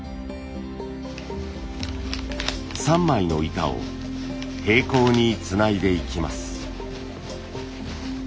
３枚の板を平行につないでいきます。